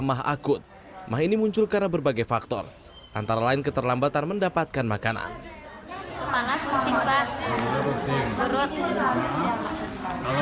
mah akut mah ini muncul karena berbagai faktor antara lain keterlambatan mendapatkan makanan